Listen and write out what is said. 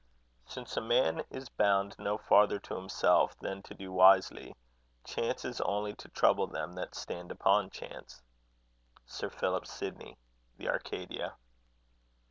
Since a man is bound no farther to himself than to do wisely, chance is only to trouble them that stand upon chance SIR PHILIP SIDNEY. The Arcadia.